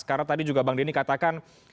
karena tadi juga bang dini katakan